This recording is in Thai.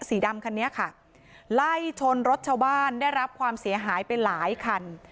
สีดำคันนี้ค่ะไล่ชนรถชาวบ้านได้รับความเสียหายไปหลายคัน